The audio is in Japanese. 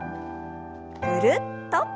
ぐるっと。